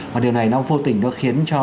và điều này nó vô tình nó khiến cho